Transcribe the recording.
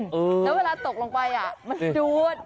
แล้วเวลาตกลงไปมันดูด